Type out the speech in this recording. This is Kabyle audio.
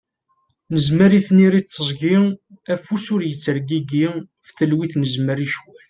Nezmer i tniri d tiẓgi, afus ur ittergigi, ɣef talwit nezmer i ccwal.